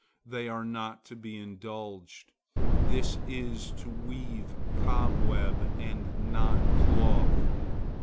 They are not to be indulged. This is to weave cobweb, and not cloth.